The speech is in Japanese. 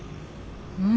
うん。